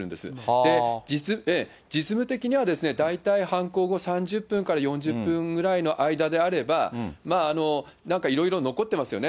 で、実務的には大体、犯行後３０分から４０分ぐらいの間であれば、なんかいろいろ残っていますよね。